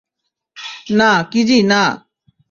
না, কিজি, না।